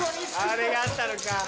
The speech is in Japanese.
あれがあったのか。